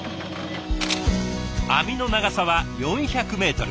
網の長さは４００メートル。